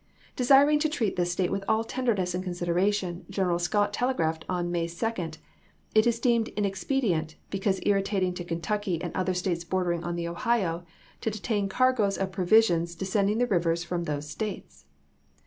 Desiring to treat this State with all tenderness and consideration, General Scott telegraphed on May 2, " It is deemed inexpedient, because irritating to Kentucky and other States bordering on the Ohio, to detain cargoes of provisions descending the rivers from those States."